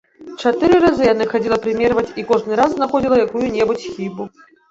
Чатыры разы яна хадзіла прымерваць і кожны раз знаходзіла якую-небудзь хібу.